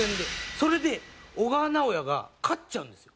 それで小川直也が勝っちゃうんですよ。